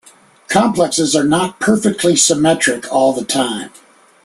Complexes are not perfectly symmetric all the time.